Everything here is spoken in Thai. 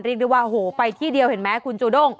เรียกได้ว่าโอ้โหไปที่เดียวเห็นไหมคุณจูด้ง